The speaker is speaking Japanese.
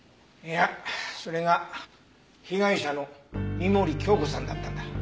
いやそれが被害者の深守教子さんだったんだ。